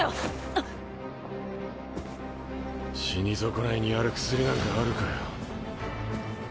あっ死に損ないにやる薬なんかあるかよ